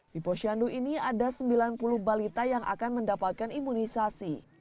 di posyandu ini ada sembilan puluh balita yang akan mendapatkan imunisasi